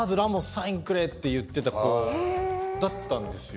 サインくれ！」って言ってた子だったんですよ。